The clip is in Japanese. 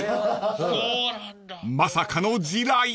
［まさかの地雷］